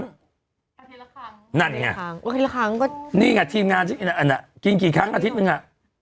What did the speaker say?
อาทิตย์ละครั้งนั่นไงอาทิตย์ละครั้งก็นี่ไงทีมงานที่อันอันอ่ะกินกี่ครั้งอาทิตย์หนึ่งอ่ะ